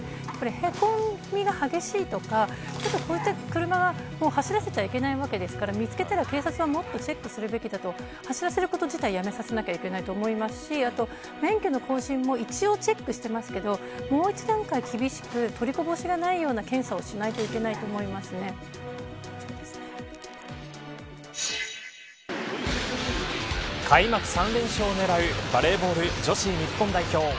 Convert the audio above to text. へこみが激しいとかこういった車は走らせちゃいけないわけですから見つけたら、警察はもっとチェックするべきだと走らせること自体やめさせなくちゃいけないと思いますし免許の更新も一応チェックしてますけどもう一度段階チェックを厳しく取りこぼしがないようにしないと開幕３連勝を狙うバレーボール女子日本代表。